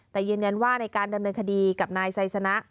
แต่ยืนยันว่าในการดำเนินคดีกับนายไซสนะ